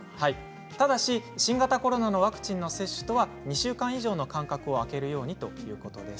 ただし新型コロナのワクチン接種とは２週間以上の間隔を空けるようにということです。